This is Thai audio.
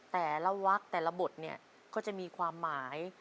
แต่ละวักแต่ละบทเนี่ยก็จะมีความหมาย